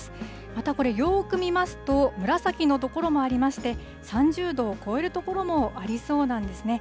またこれ、よーく見ますと、紫の所もありまして、３０度を超える所もありそうなんですね。